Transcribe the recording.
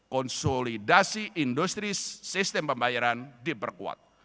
konsolidasi industri sistem pembayaran diperkuat